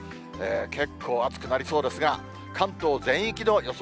結構暑くなりそうですが、関東全域の予想